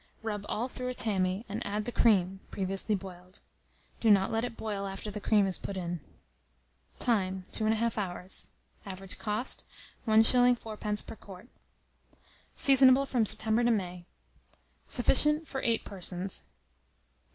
Rub all through a tammy, and add the cream (previously boiled). Do not let it boil after the cream is put in. Time. 2 1/2 hours. __Average cost_,1s. 4d. per quart. Seasonable from September to May. Sufficient for 8 persons.